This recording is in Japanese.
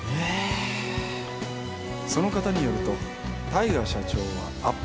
その方によると大我社長はアップ